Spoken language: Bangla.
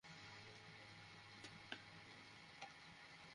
সিলোনিয়াম শরীরে অ্যান্টি অক্সিডেন্ট হিসেবে কাজ করে।